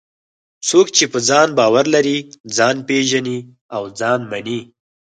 څوک چې په ځان باور لري، ځان پېژني او ځان مني.